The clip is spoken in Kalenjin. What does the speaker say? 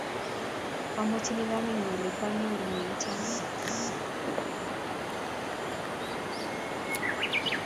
Amwochin kamennyu ale kwaanyoru ne achame.